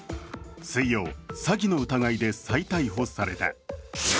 水曜、詐欺の疑いで再逮捕された。